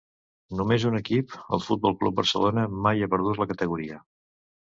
Només un equip, el Futbol Club Barcelona, mai ha perdut la categoria.